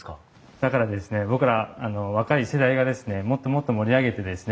だから僕ら若い世代がもっともっと盛り上げてですね